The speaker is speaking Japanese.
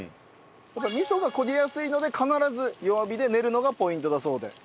味噌が焦げやすいので必ず弱火で練るのがポイントだそうで。